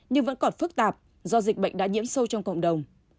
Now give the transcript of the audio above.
nhưng vẫn còn phức tạp do dịch bệnh đã nhiễm sâu trong cộng đồng